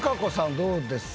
どうですか？